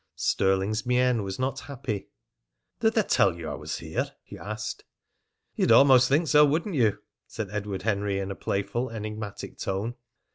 Stirling's mien was not happy. "Did they tell you I was here?" he asked. "You'd almost think so, wouldn't you?" said Edward Henry in a playful, enigmatic tone.